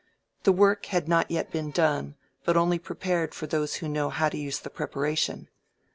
The work had not yet been done, but only prepared for those who knew how to use the preparation.